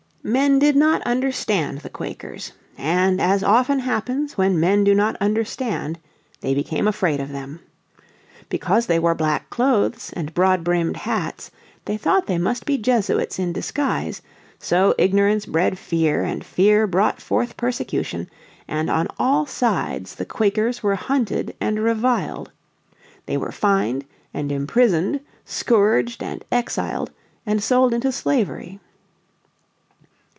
Men did not understand the Quakers. And, as often happens when men do not understand, they became afraid of them. Because they wore black clothes and broad brimmed hats they thought they must be Jesuits in disguise. So ignorance bred fear, and fear brought forth persecution, and on all sides the Quakers were hunted and reviled. They were fined and imprisoned scourged and exiled and sold into slavery.